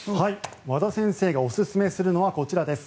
和田先生がオススメするのはこちらです。